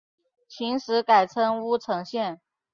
秦时改称乌程县。